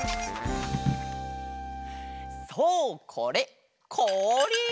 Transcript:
そうこれこおり！